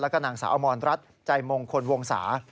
แล้วก็นางสาวอมรรัฐใจมงคลวงศา